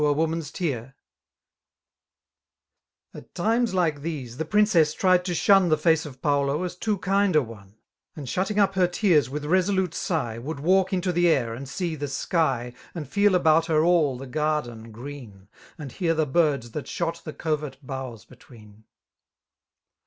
a woman's tear V At times like these the princess tried to shun The face of Paulo as too kind a one; And shutting up her tears Mrith rescdute si^ Would walk into the air, apd see the sky. And feel about, her all the garden grej3n> • And .hear the birds, that, shot the coyert boughs betnreen.